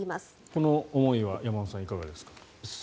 この思いは山本さん、いかがですか。